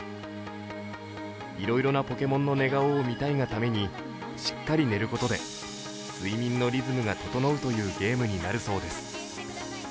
いろいろなポケモンの寝顔を見たいがためにしっかり寝ることで睡眠のリズムが整うというゲームになるそうです。